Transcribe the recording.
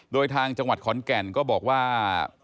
โดยทางจังหวัดขอนแก่นก็บอกว่า